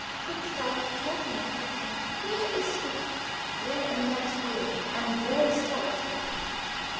Couldst thou have told him such a thing?" "Where is he?" "There, in the next room, and very sad for thee."